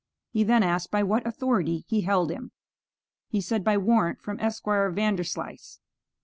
He then asked by what authority he held him. He said by warrant from Esquire Vanderslice.